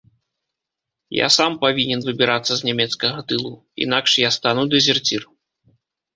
Я сам павінен выбірацца з нямецкага тылу, інакш я стану дэзерцір.